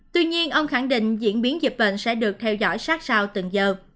tuy nhiên ông khẳng định diễn biến dịch bệnh sẽ được theo dõi sát sao từng giờ